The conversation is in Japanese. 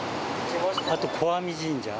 あと小網神社。